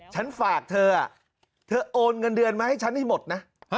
ฉันฝากเธอเธอโอนเงินเดือนมาให้ฉันให้หมดนะ